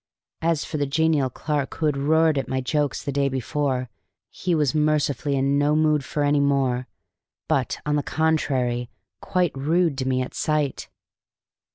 As for the genial clerk who had roared at my jokes the day before, he was mercifully in no mood for any more, but, on the contrary, quite rude to me at sight.